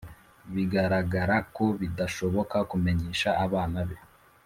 Bigaragara ko bidashoboka kumenyesha abana be